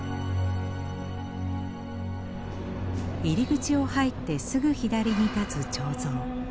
入り口を入ってすぐ左に建つ彫像。